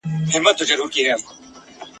یوه ورځ د یوه ښار پر لور روان سوه !.